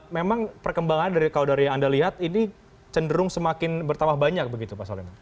memang perkembangan kalau dari yang anda lihat ini cenderung semakin bertambah banyak begitu pak soleman